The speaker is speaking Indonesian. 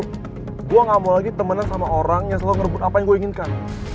gue gak mau lagi temenan sama orang yang selalu ngerebut apa yang gue inginkan